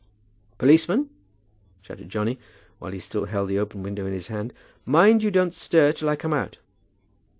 "Policeman," shouted Johnny, while he still held the open window in his hand, "mind you don't stir till I come out."